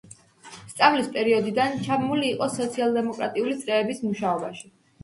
სწავლის პერიოდიდან ჩაბმული იყო სოციალ-დემოკრატიული წრეების მუშაობაში.